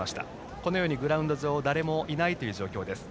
このようにグラウンド上誰もいない状況です。